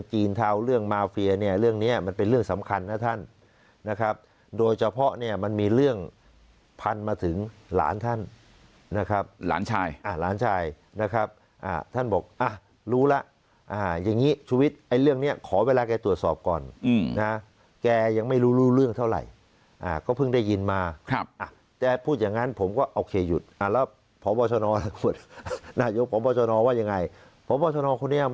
คือสำคัญนะท่านนะครับโดยเฉพาะเนี้ยมันมีเรื่องพันมาถึงหลานท่านนะครับหลานชายอ่าหลานชายนะครับอ่าท่านบอกอ่ารู้ล่ะอ่าอย่างงี้ชุวิตไอ้เรื่องเนี้ยขอเวลาแกตรวจสอบก่อนอืมนะแกยังไม่รู้รู้เรื่องเท่าไหร่อ่าก็เพิ่งได้ยินมาครับอ่าแต่พูดอย่างงั้นผมก็โอเคหยุดอ่าแล้วพอบอชนอร์อะไรหมดหน้ายกพอบ